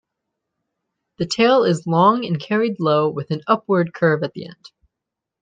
The tail is long and carried low with an upward curve at the end.